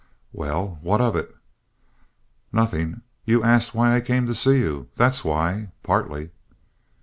"Well, what of it?" "Nothing. You asked why I came to see you. That's why. Partly."